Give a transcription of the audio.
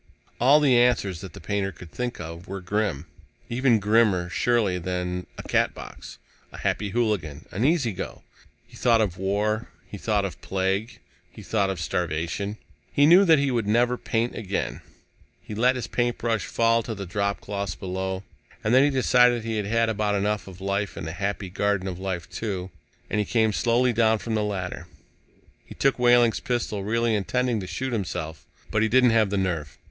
All the answers that the painter could think of were grim. Even grimmer, surely, than a Catbox, a Happy Hooligan, an Easy Go. He thought of war. He thought of plague. He thought of starvation. He knew that he would never paint again. He let his paintbrush fall to the dropcloths below. And then he decided he had had about enough of life in the Happy Garden of Life, too, and he came slowly down from the ladder. He took Wehling's pistol, really intending to shoot himself. But he didn't have the nerve.